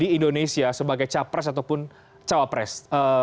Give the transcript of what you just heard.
di indonesia sebagai capres ataupun cawapres